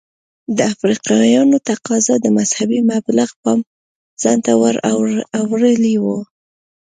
د افریقایانو تقاضا د مذهبي مبلغ پام ځانته ور اړولی و.